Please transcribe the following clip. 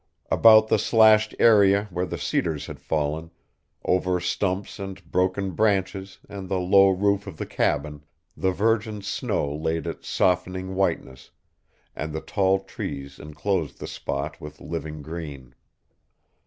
About the slashed area where the cedars had fallen, over stumps and broken branches and the low roof of the cabin, the virgin snow laid its softening whiteness, and the tall trees enclosed the spot with living green.